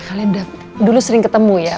kalian dulu sering ketemu ya